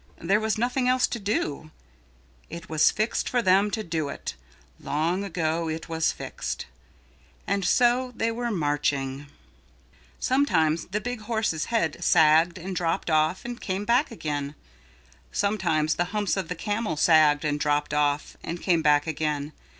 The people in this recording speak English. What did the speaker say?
There was nothing else to do. It was fixed for them to do it, long ago it was fixed. And so they were marching. Sometimes the big horse's head sagged and dropped off and came back again. Sometimes the humps of the camel sagged and dropped off and came back again.